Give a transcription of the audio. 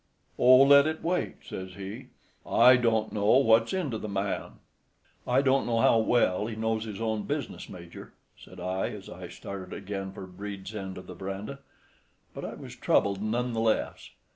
'Oh, let it wait,' says he. I don't know what's in to the man." "I don't know how well he knows his own business, Major," I said as I started again for Brede's end of the veranda. But I was troubled none the less.